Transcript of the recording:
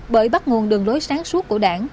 bởi bắt nguồn đường lối sáng suốt của đảng